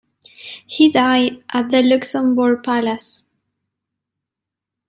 He died at the Luxembourg Palace.